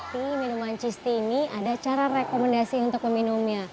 di minuman cheese tea ini ada cara rekomendasi untuk meminumnya